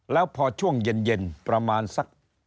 แล้วพอช่วงเย็นประมาณสัก